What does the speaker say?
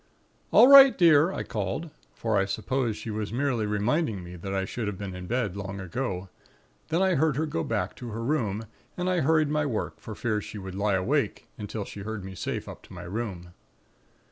"'All right, dear,' I called; for I suppose she was merely reminding me that I should have been in bed long ago; then I heard her go back to her room, and I hurried my work, for fear she should lie awake, until she heard me safe up to my room.